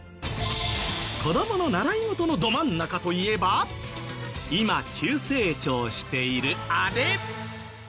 子どもの習い事のど真ん中といえば今急成長しているあれ！